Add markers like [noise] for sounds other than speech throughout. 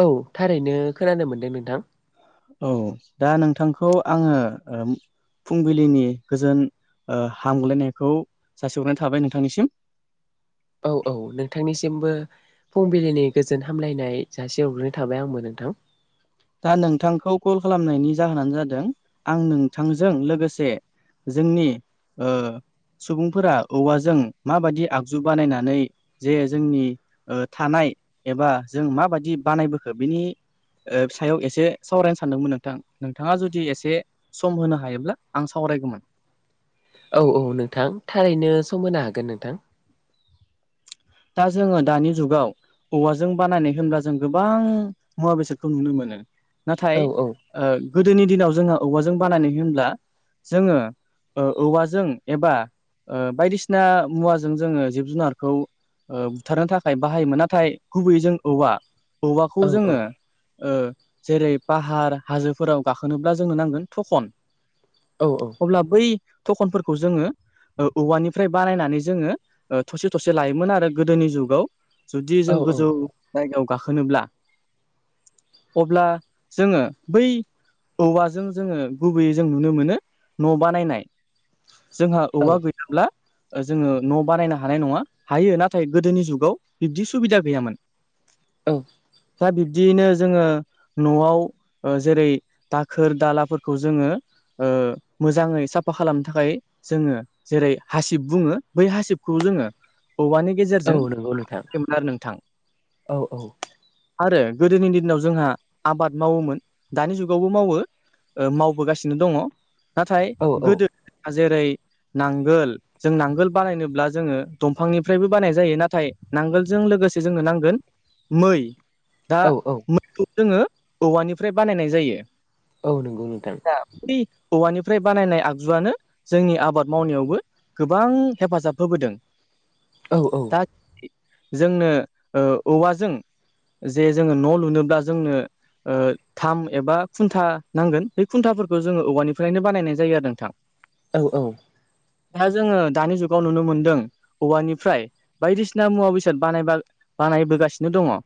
औ थारैनो खोनानो मोनदों नोंथां औ दा नोंथांखौ आङो ओ फुंबिलिनि गोजोन ओ‌ हामग्लायनायखौ जासिहरनाय थाबाय नोंथांनिसिम औ औ नोंथांनिसिमबो फुंबिलिनि गोजोन हामलायनाय जासि हरग्रोनाय थाबाय आंबो नोंथां दा नोंथांखौ कल खालामनायनि जाहोनानो जादों आं नोंथांजों लोगोसे जोंनि ओ सुबुंफोरा औवाजों माबायदि आगजु बानायनानै जे जोंनि ओ थानाय एबा जों माबायदि बानायबोखो बिनि ओ सायाव एसे सावरायनो सानदोंमोन नोंथां नोंथांआ जुदि एसे सम होनो हायोब्ला आं सावरायगौमोन औ औ नोंथां थारैनो सम होनो हागोन नोंथां दा जोङो दानि जुगाव औवाजों बानायनाय होनब्ला जों गोबां मुवा बेसादखौ नुनो मोनो औ नाथाय औ ओ गोदोनि दिनाव जोंहा औवाजों बानायनाय होनोब्ला जोङो ओ औवाजों एबा ओ बायदिसिना मुवाजों जोङो जिब जुनारखौ ओ बुथारनो थाखाय बाहायोमोन नाथाय गुबैयै जों औवा औ औवाखौ जोङो ओ जेरै पाहार हाजोफोराव गाखोनोब्ला जोंनो नांगोन थखन औ औ अब्ला बै थखनफोरखौ जोङो ओ औवानिफ्राय बानायनानै जोङो ओ थरसे थसे लायोमोन आरो गोदोनि जुगाव जुदि जों औ गोजौ जायगायाव गाखोनोब्ला अब्ला जोङो बै औवाजों जोङो गुबैयै जों नुनो मोनो न' बानायनाय जोंहा औवा गैथाब्ला ओ जोङो न' बानायनो हानाय नङा हायो ना नाथाय गोदोनि जुगाव बिब्दि सुबिदा गैयामोन औ दा बिब्दियैनो जोङो न'आव ओ जेरै दाखोर दालाफोरखौ जोङो ओ मोजांयै साफा खालामनो थाखाय जोङो जेरै हासिब बुङो बै हासिबखौ जोङो औवानि औ गेजेरजों नंगौ नोंथां मोन आरो नोंथां औ औ आरो गोदोनि दिनाव जोंहा आबाद मावोमोन दानि जुगावबो मावो ओ मावबोगासिनो दङ नाथाय औ गोदो जेरै नांगोल जों नांगोल बानायनोब्ला जोङो दंफांनिफ्रायबो बानाय जायो नाथाय नांगोलजों लोगोसे जोंनो नांगोन मै दा औ औ मैखौ जोङो औवानिफ्राय बानायनाय जायो औ नोंगौ नोंथां दा बि औवानिफ्राय बानायनाय आगजुआनो जोंनि आबाद मावनायावबो गोबां हेफाजाब होबोदों औ औ दा जोंनो ओ औवाजों जे जोङो न' लुनोब्ला जोंनो ओ थाम एबा खुन्था नांगोन बे खुन्थाफोरखौ जोङो औवानिफ्रायनो बानायनाय जायो आरो नोंथां औ औ दा जोङो दानि जुगाव नुनो मोनदों औवानि फ्राय बायदिसिना मुवा बेसाद बानाय बानायबोगासिनो दङ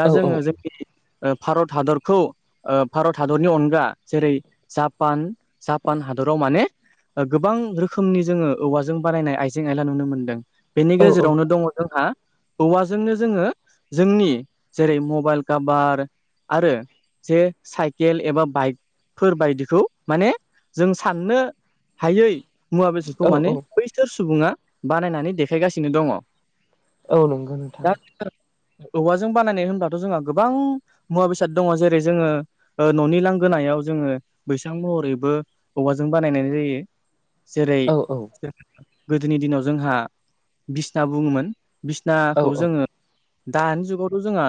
दा जोङो जोंनि ओ भारत हादरखौ ओ भारत हादरनि अनगा जेरै जापान जापान हादराव माने ओ गोबां रोखोमनि जोङो औवाजों बानायनाय आइजें आयला नुनो मोनदों बेनि औ गेजेरावनो दङ जोंहा औवाजोंनो जोङो जोंनि जेरै मबाइल कभार आरो जे साइकेल एबा बाइक फोरबायदिखौ माने जों साननो हायै मुवा बेसादखौ माने बैसोर सुबुङा बानायनानै देखायगासिनो दङ। औ नंगौ नोंथां दा औवाजों बानायनाय होनब्लाथ' जोंहा गोबां मुवा बेसाद दङ जेरै जोङो ओ न'नि लांगोनायाव जोङो बैसां महरैबो औवाजों बानायनाय जायो जेरै औ औ गोदोनि दिनाव जोंहा बिसना बुङोमोन औ बिसनाखौ जोङो दानि जुगावथ' जोंहा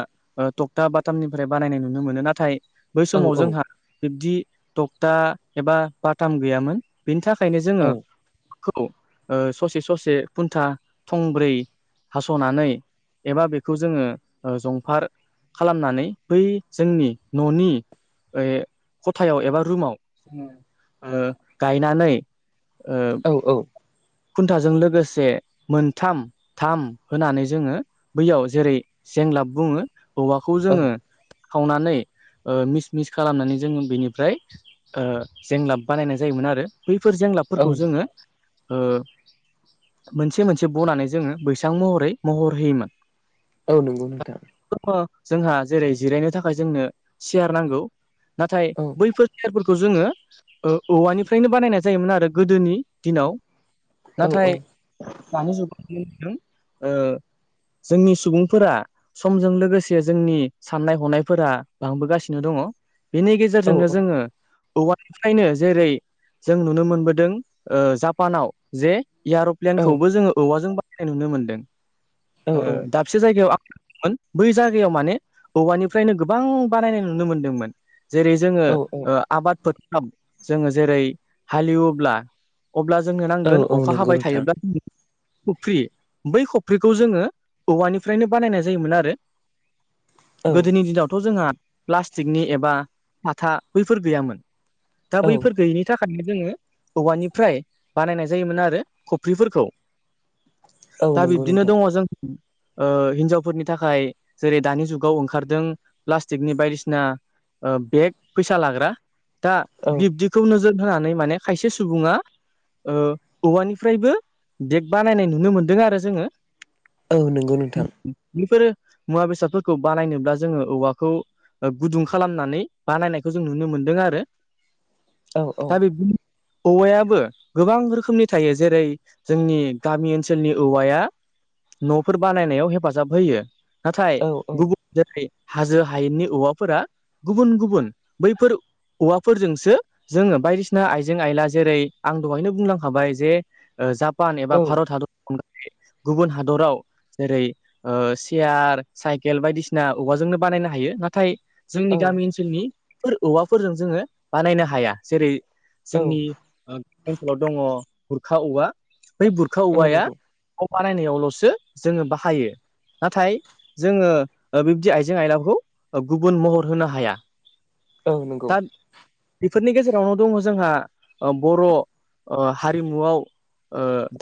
थकथा बाटामनिफ्राय बानायनाय नुनो मोनो नाथाय बै औ समाव जोंहा बिब्दि तक्था एबा बाथाम गैयामोन बेनि थाखायनो जोङो खौ ओ ससे ससे खुन्था थंब्रै हास'नानै एबा बेखौ जोङो जंफार खालामनानै बै जोंनि न'नि ए खथायाव एबा रुमाव जोङो ओ गायनानै ओ औ औ खुन्थाजों लोगोसे मोनथाम थाम होनानै जोङो बैयाव जेरै जेंलाब बुङो औवाखौ औ जोङो खावनानै ओ मिस मिस खालामनानै जोङो बेनिफ्राय जेंलाब बानायनाय जायोमोन आरो बैफोर औ जेंलाबफोरखौ जोङो मोनसे मोनसे बनानै जोङो बैसां महरै महर होयोमोन औ नंगौ नोंथां [unintelligible] जोंहा जेरै जिरायनो थाखाय जोंनो सियार नांगौ नाथाय औ बैफोर सियारफोरखौ जोङो औवानिफ्रायनो बानायनाय जायोमोन आरो गोदोनि दिनाव औ नाथाय औ दानि जुगाव नुनो मोनदों ओ जोंनि सुबुंफोरा समजों लोगोसे जोंनि साननाय हनायफोरा बांबोगासिनो दङ बेनि गे औ जेरजोंनो औ जोङो औवफ्रायनो जेरै जों नुनो मोनबोदों ओ जा पानाव जे औ एयार'प्लेनखौबो जोङो औवाजों बानायनाय नुनो मोनदों ओ दाब से जायगायाव आं थांमोन बै जायगायाव माने औवानिफ्रायनो गोबां बानायनाय नुनो मोनदोंमोन जेरै जोङो औ आबाद फोथाराव जोङो जेरै हालेवोब्ला अब्ला जोंनो औ नांगोन औ अखा नंगौ हाबाय नोंथां थायोब्ला जों खफ्रि बै खफ्रिखौ जोङो औवानिफ्रायनो बानायनाय जायोमोन आरो औ गोदोनि दिनावथ' जोंहा प्लास्टिकनि एबा साथा बैफोर गैयामोन दा औ बैफोर गैयिनि थाखायनो जोङो औवानिफ्राय बानायनाय जायोमोन आरो खफ्रिफोरखौ औ दा नंगौ बिब्दिनो नोंथां दङ जों ओ हिनजावफोरनि थाखाय जेरै दानि जुगाव ओंखारदों प्लास्टिकनि बायदिसिना बेग फैसा लाग्रा दा औ बिब्दिखौ नोजोर होनानै माने खायसे सुबुङा ओ औवानिफ्रायबो बेग बानायनाय नुनो मोनदों आरो जोङो औ नंगौ नोंथां बेफोरो मुवा बेसादफोरखौ बानायनोब्ला जोंङो औवाखौ गुदुं खालामनानै बानायनायखौ जों नुनो मोनदों आरो औ औ दा बे [unintelligible] औवायाबो गोबां रोखोमनि थायो जेरै जोंनि गामि ओनसोलनि औवाया न'फोर बानायनायाव हेफाजाब होयो नाथाय औ गुबुन जेरै हाजो हायेननि औवाफोरा गुबुन गुबुन बैफोर औवाफोरजोंसो जोंङो बायदिसिना आइजें आइला जेरै आं दहायनो बुंनांखाबाय जे जापान एबा औ भारत हादरनि अनगायै गुबुन हादराव जेरै सेयार साइकेल बायदिसिना औवाजोंनो बानायनो हायो नाथाय जोंनि औ गामि ओनसोलनिफोर औवाफोरजों जोंङो बानायनो हाया जेरै औ जोंनि ओ ओनसोलाव दङ बुरखा औवा बै बुरखा औ औवाया नंगौ न बानायनायावल'सो जोंङो बाहायो नाथाय जोंङो बिबदि आइजें आइलाखौ गुबुन महर होनो हाया औ नंगौ दा बेफोरनि गेजेरावनो दंङो जोंहा बर' हारिमुआव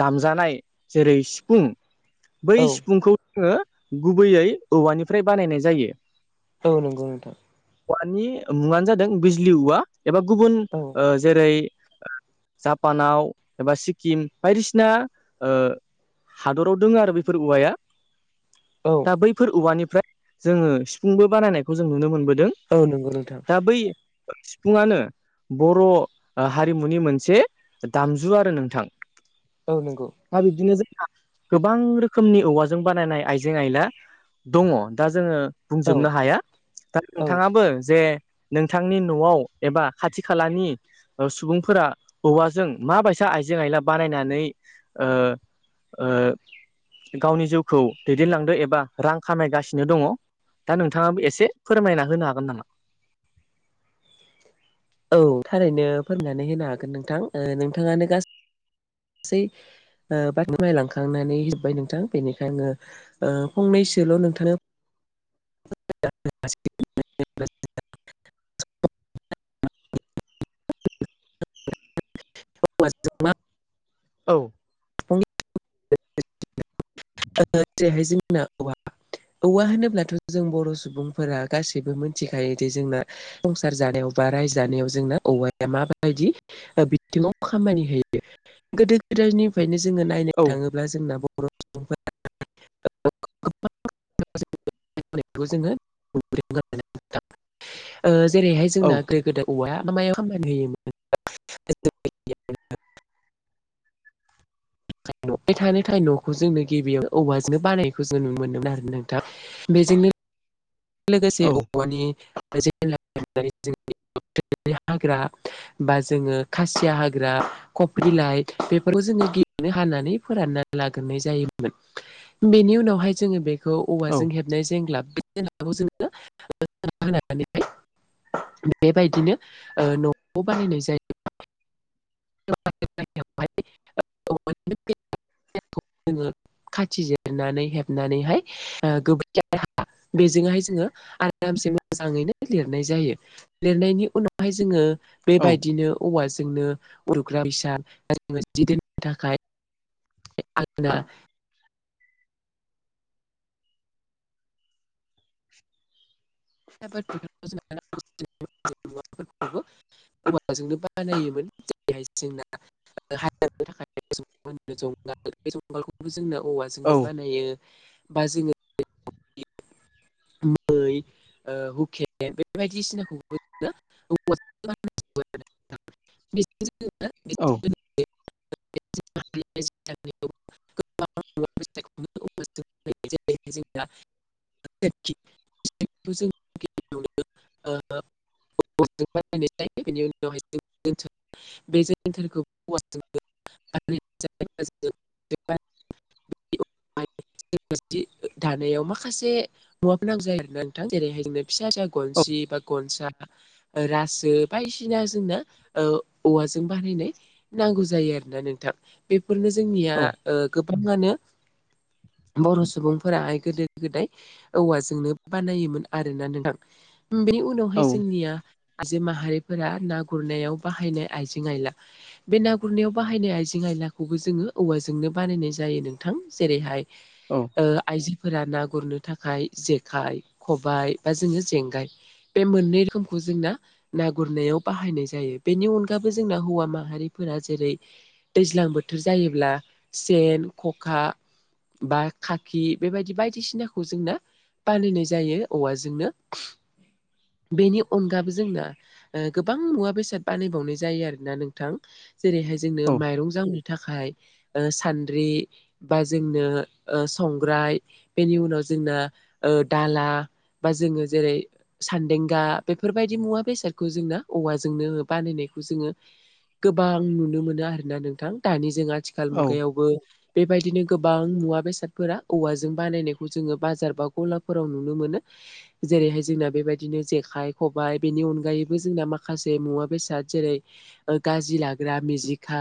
दामजानाय जेरै सिफुं बै औ सिफुंखौ जोंङो गुबैयै औवानिफ्राय बानायनाय जायो। औ नंगौ नोंथां औवानि मुङानो जादों बिजलि औवा एबा गुबुन औ जेरै जापानाव एबा सिक्किम बायदिसिना ओ हादराव दंङो आरो बेफोर औवाया औ दा बैफोर औवानिफ्राय जोंङो सिफुंबो बानायनायखौ जों नुनो मोनबोदों औ नोंगौ नोंथां दा बै सिफुंआनो बर' हारिमुनि मोनसे मोनसे दामजु आरो नोंथां औ नंगौ दा बिदिनो जोंहा गोबां रोखोमनि औवाजों बानायनाय आइजें आइला दंङो दा जोंङो औ बुंजोबनो हाया दा औ नोंथांङाबो जे नोंथांनि न'आव एबा खाथि खालानि सुबुंफोरा औवाजों माबायदि आइजें आइला बानायनानै गावनि जिउखौ दैदेनलांदो एबा रां खामायगासिनो दंङो दा नोंथांङाबो एसे फोरमायना होनो हागोन नामा औ थारैनो फोरोंनानै होनो हागोन नोंथां नोंथांङानो गासै गासै [unintelligible] बायलांखांनानै जोब्बाय नोंथां बेनिखाय आंङो फंनैसोल' नोंथांनो [unintelligible] [unintelligible] औ जेरेहाय जोंना औवा औवा होनोब्लाथ' जों बर' सुबुंफोरा गासैबो मिथिखायो जे जोंना संसार जानायाव बा रायजानायाव जोंना औवाया माबायदि बिथिङाव खामानि होयो गोदो गोदायनिफ्रायनो जोंङो नायनो औ थांङोब्ला जोंना बर' [unintelligible] [unintelligible] जेरैहाय औ जोंना गोदो गोदाय औवाया मा मायाव खामानि होयोमोन [unintelligible] नाय थानो थाखाय न'खौ जोंनो गिबियाव औवाजोंनो बानायखौ जों नुनो मोनदोंमोन आरो नोंथां बेजोंनि लोगोसे औ औवानि हाग्रा बा जोंङो खासिया हाग्रा खफ्रिलाइ बेफोरखौ जोंङो गेलनो हानानै फोरानना लाग्रोननाय जायोमोन बेनि उनावहाय जोङो बेखौ औ औवाजों हेबनाय जेंगलाब बे जेंगलाबखौ जोङो [unintelligible] होनानैहाय बेबायदिनो न'खौ बानायनाय जायो [unintelligible] [unintelligible] खाथि जिरनानै हेबनानैहाय गोबोरखि आरो हा बेजोंहाय जोङो आरामसे मोजाङैनो लिरनाय जायो लिरनायनि उनावहाय जोङो औ बेबायदिनो औवाजोंनो उनदुग्रा बैसां जोङो जि दोननो थाखाय आलना [unintelligible] औवाजोंनो बानायोमोन जेरैहाय जोंना हाल एवनो थाखाय मा होनो जंगाल बे जंगालखौबो जोंना औवाजोंनो औ बानायो बा जोङो मै हुखेन बे बायदिसिनाखौबो [unintelligible] औवाजोंनो बानायजोबो आरो [unintelligible] बेजों जोङो औ [unintelligible] गोबां [unintelligible] औवाजोंनो बानायनाय जायो जोंना [unintelligible] जों‌ गिबियावनो [unintelligible] बानाय जायो बेनि उनावहाय जों जोंनथोर बे जोनथोरखौ [unintelligible] [unintelligible] जि दानायाव माखासे मुवाफोर नांगौ जायो आरो ना नोंथां जेरैहाय जोंनो फिसा फिसा औ गनसि बा गनसा रासो बायदिसिना जोंना औवाजों बानायनाय नांगौ जायो आरोना नोंथां बेफोरनो जोंनिया गोबाङानो बर' सुबुंफोराहाय गोदो गोदाय औवाजोंनो बानायोमोन आरोना नोंथां बेनि औ उनावहाय जोंनिया आयजो माहारिफोरा ना गुरनायाव बाहायनाय आयजें आयला बे ना गुरनायाव बाहायनाय आयजें आयलाखौबो जोङो औवाजोंनो बानायनाय जायो नोंथां जेरैहाय औ आयजोफोरा ना गुरनो थाखाय जेखाइ खबाय बा जोङो जेंगाय बे मोननै रोखोमखौ जोंना ना गुरनायाव बाहायनाय जायो बेनि अनगाबो जोंना हौवा माहारिफोरा जेरै दैज्लां बोथोर जायोब्ला सेन खखा बा खाखि बेबायदि बायदिसिनाखौ जोंना बानायनाय जायो औवाजोंनो बेनि अनगाबो जोंना गोबां मुवा बेसाद बानायबावनाय जायो आरोना नोंथां जेरैहाय जोंनो औ माइरं जावनो थाखाय सान्द्रि बा जोंनो संग्राय बेनि उनाव जोंना दाला बा जोङो जेरै सान्देंगा बेफोरबायदि मुवा बेसादखौ जोंना औवाजोंनो बानायनायखौ जोङो गोबां नुनो मोनो आरोना नोंथां दानि जों आथिखाल मुगायावबो बेबाय दिनो गोबां मुवा बेसादफोरा औवाजों बानायनायखौ जोङो बाजार बा गलाफोराव नुनो मोनो जेरैहाय जोंना बेबायदिनो जेखाइ खबाइ बेनि अनगायैबो जोंना माखासे मुवा बेसाद जेरै गाज्रि लाग्रा मिजिखा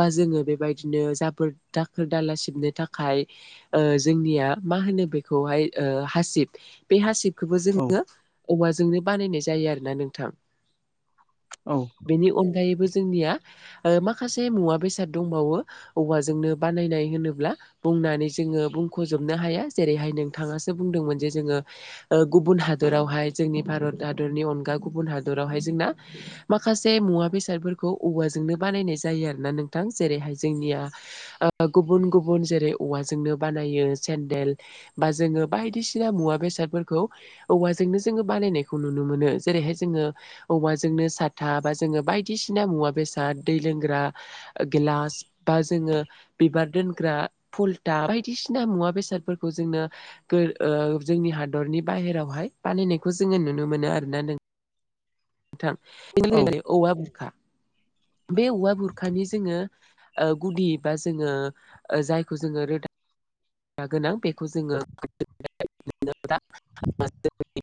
बा जोङो बेबायदिनो जाबोर दा खोर दाला सिबनो थाखाय जोंनिया मा होनो बेखौहाय हासिब बे हासिबखोबो औ जोङो औवाजोंनो बानायनाय जायो आरो ना नोंथां औ बेनि अनगायैबो जोंनिया माखासे मुवा बेसाद दंबावो औवाजोंनो बानायनाय होनोब्ला बुंनानै जोङो बुंख'जोबनो हाया जेरैहाय नोंथाङासो बुंदोंमोन जे जोङो ओ गुबुन हादरावहाय जोंनि भारत हादरनि अनगा गुबुन हादरावहाय जोंना माखासे मुवा बेसादफोरखौ औवाजोंनो बानायनाय जायो आरो ना नोंथां जेरैहाय जोंनिया ओ गुबुन गुबुन जेरै औवाजोंनो बानायो सेन्देल बा जोङो बायदिसिना मुवा बेसादफोरखौ औवाजोंनो जोङो बानायनायखौ नुनो मोनो जेरैहाय जोङो औवाजोंनो साथा बा जोङो बायदिसिना मुवा बेसाद दै लोंग्रा गिलास बा जोङो बिबार दोनग्रा फुल थाब बायदिसिना मुवा बेसादफोरखौ जोंनो ओ जोंनि हादरनि बाहेरायावहाय बानायनायखौ जोङो नुनो मोनो आरोना नों थां औ औवा बुरखा बे औवा बुरखानि जोङो ओ गुदि बा जोङो जायखौ जोङो रोदा गोनां बेखौ जोङो मोन